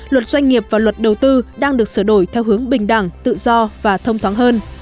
luật doanh nghiệp và luật đầu tư đang được sửa đổi theo hướng bình đẳng tự do và thông thoáng hơn